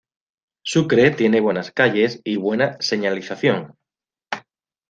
Sucre tiene buenas calles y buena señalización.